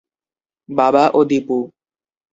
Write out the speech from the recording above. বাবা ও দীপু।